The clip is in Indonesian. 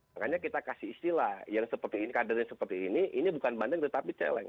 makanya kita kasih istilah yang seperti ini kadernya seperti ini ini bukan banding tetapi celeng